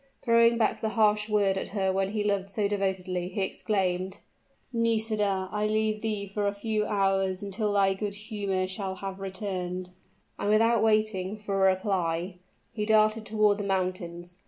Throwing back the harsh word at her whom he loved so devotedly, he exclaimed, "Nisida, I leave thee for a few hours until thy good humor shall have returned;" and without waiting for a reply he darted toward the mountains.